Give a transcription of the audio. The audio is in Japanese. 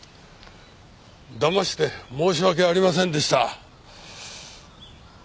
だまして申し訳ありませんでした。